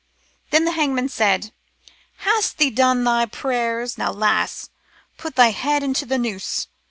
" Then the hangman said, * Hast thee done thy prayers ? Now, lass, put thy head into t' noose.'